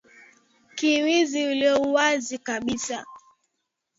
K wizi uliouwazi kabisa